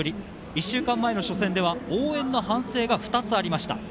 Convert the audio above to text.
１週間前の初戦では応援の反省が２つありました。